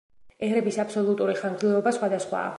ერების აბსოლუტური ხანგრძლივობა სხვადასხვაა.